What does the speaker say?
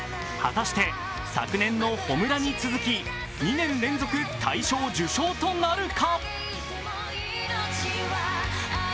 果たして、昨年の「炎」に続き、２年連続大賞受賞となるか？